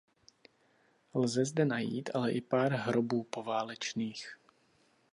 Lze zde najít ale i pár hrobů poválečných.